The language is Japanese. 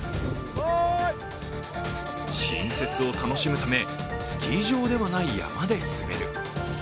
新雪を楽しむため、スキー場ではない山で滑る。